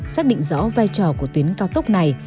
xác định rõ vai trò của tuyến cao tốc này